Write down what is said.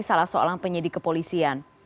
salah seorang penyidik kepolisian